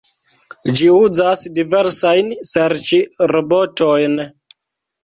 Ĝi uzas diversajn serĉrobotojn.